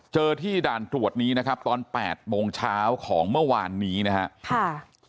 ที่ด่านตรวจนี้นะครับตอน๘โมงเช้าของเมื่อวานนี้นะครับ